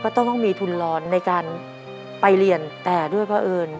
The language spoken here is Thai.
ต้องมีทุนร้อนในการไปเรียนแต่ด้วยพระเอิญ